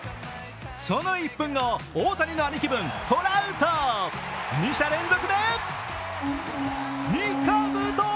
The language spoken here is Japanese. その１分後、大谷の兄貴分・トラウト２者連続で２兜。